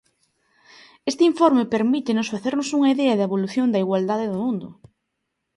Este informe permítenos facernos unha idea da evolución da igualdade do mundo.